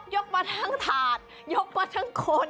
ยกมาทั้งคล็กท่าด